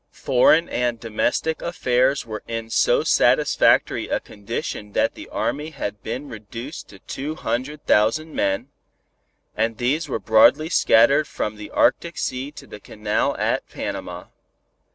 Foreign and domestic affairs were in so satisfactory a condition that the army had been reduced to two hundred thousand men, and these were broadly scattered from the Arctic Sea to the Canal at Panama.